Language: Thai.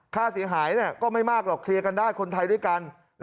ค่าเสียหายก็ไม่มากหรอกเคลียร์กันได้คนไทยด้วยกัน